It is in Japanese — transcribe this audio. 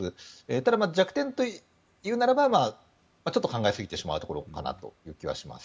ただ弱点というならちょっと考えすぎてしまうところかなと思います。